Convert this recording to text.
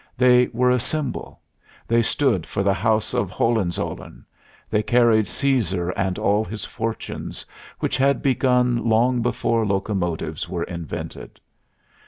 They were a symbol. They stood for the House of Hohenzollern; they carried Cæsar and all his fortunes, which had begun long before locomotives were invented.